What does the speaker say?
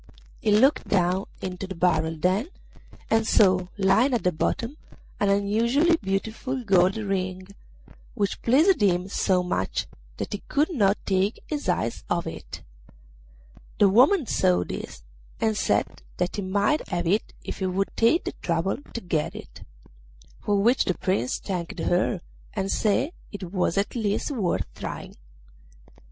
He looked down into the barrel then, and saw lying at the bottom an unusually beautiful gold ring, which pleased him so much that he could not take his eyes off it. The woman saw this, and said that he might have it if he would take the trouble to get it; for which the Prince thanked her, and said it was at least worth trying.